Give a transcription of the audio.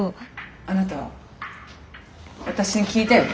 あなた私に聞いたよね？